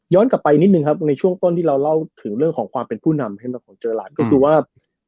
กลับไปนิดนึงครับในช่วงต้นที่เราเล่าถึงเรื่องของความเป็นผู้นำของเจอรัฐก็คือว่า